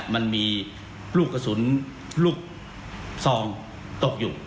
มันมีลูกกระสุนลูกซองตกอยู่